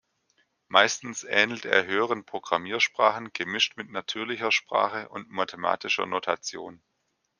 Meistens ähnelt er höheren Programmiersprachen, gemischt mit natürlicher Sprache und mathematischer Notation.